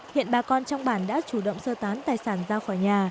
hiện bà con trong bản đã chủ động sơ tán tài sản ra khỏi nhà